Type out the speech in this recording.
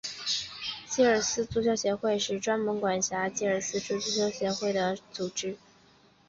吉尔吉斯足球协会是专门管辖吉尔吉斯足球事务的组织。